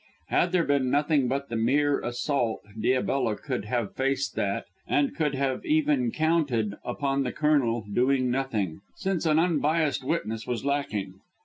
Had there been nothing but the mere assault Diabella could have faced that and could have even counted upon the Colonel doing nothing, since an unbiassed witness was lacking.